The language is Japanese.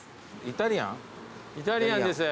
イタリアンです。